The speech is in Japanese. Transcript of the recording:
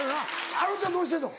あのちゃんどうしてるの？